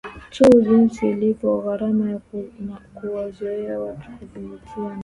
tu jinsi ilivyo gharama ya kuwazoeza watu kuvitumia na